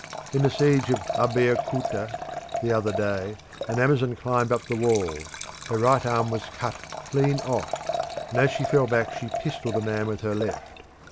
In the siege of Abbeokuta, the other day, an Amazon climbed up the wall; her right arm was cut clean off, and as she fell back she pistolled a man with her left.